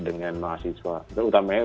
dengan mahasiswa terutamanya